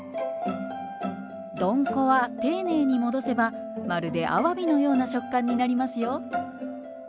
どんこは丁寧に戻せばまるであわびのような食感になりますよ。